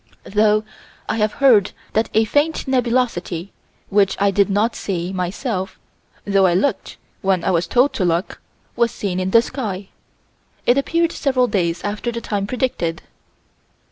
Though I have heard that a faint nebulosity, which I did not see, myself, though I looked when I was told to look, was seen in the sky, it appeared several days after the time predicted.